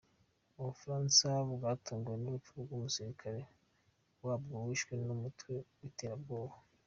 U Bufaransa bwatunguwe n’urupfu rw’umusirikare wabwo wishwe na numutwe witera bwoba